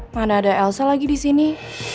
mana ada elsa lagi di sini